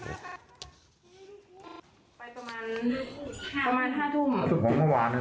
สุดของเมื่อวานเลยเหรอ